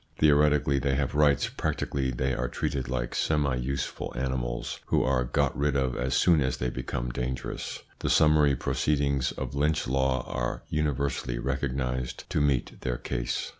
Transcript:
Theoretically they have rights ; practically they are treated like semi useful animals, who are got rid of as soon as they become dangerous. The summary proceedings of Lynch law are universally recog nised to meet their case.